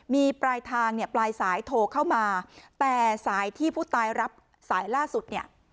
มีปลายทางเนี่ยปลายสายโทรเข้ามาแต่สายที่ผู้ตายรับสายล่าสุดเนี่ย